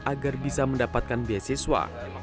agar bisa mendapatkan beasiswa